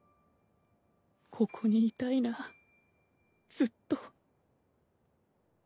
ここにいたいなずっと。